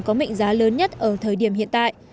có mệnh giá lớn nhất ở thời điểm hiện tại